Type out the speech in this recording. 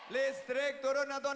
listrik turun atau naik